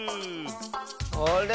あれ？